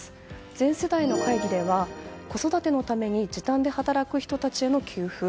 全世代の会議では子育てのために時短で働く人たちへの給付。